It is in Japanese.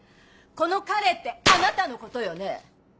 この「彼」ってあなたのことよね？